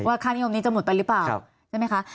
ว่าคลานิยมนี้จะหมดไปหรือเปล่า